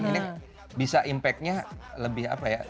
ini bisa impactnya lebih apa ya